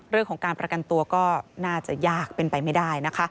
เรื่องของการประกันตัวก็น่าจะยากเป็นไปไม่ได้นะคะ